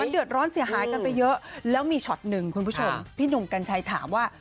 เดือดร้อนเสียหายกันไปเยอะแล้วมีช็อตหนึ่งคุณผู้ชมพี่หนุ่มกัญชัยถามว่า